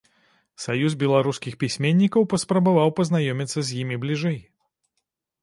Саюз беларускіх пісьменнікаў паспрабаваў пазнаёміцца з імі бліжэй.